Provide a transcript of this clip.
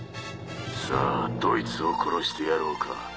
さあどいつを殺してやろうか？